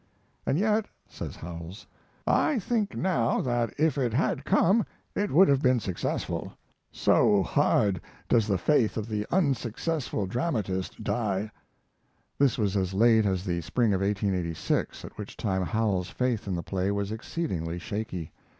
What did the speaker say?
"And yet," says Howells, "I think now that if it had come it would have been successful. So hard does the faith of the unsuccessful dramatist die." [This was as late as the spring of 1886, at which time Howells's faith in the play was exceedingly shaky.